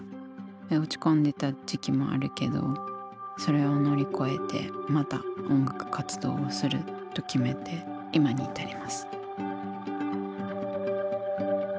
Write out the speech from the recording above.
落ち込んでた時期もあるけどそれを乗り越えてまた音楽活動をすると決めて今に至ります。